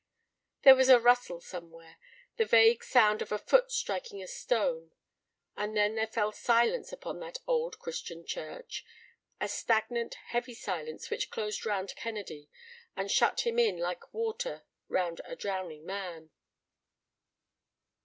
There was a rustle somewhere, the vague sound of a foot striking a stone, and then there fell silence upon that old Christian church—a stagnant, heavy silence which closed round Kennedy and shut him in like water round a drowning man.